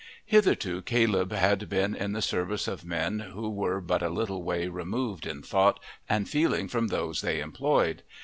Hitherto Caleb had been in the service of men who were but a little way removed in thought and feeling from those they employed.